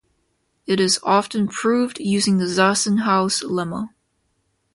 It is often proved using the Zassenhaus lemma.